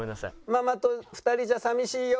ママと２人じゃ寂しいよ！